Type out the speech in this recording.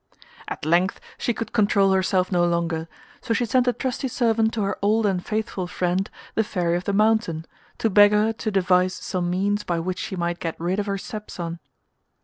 At length she could control herself no longer, so she sent a trusty servant to her old and faithful friend the Fairy of the Mountain, to beg her to devise some means by which she might get rid of her stepson.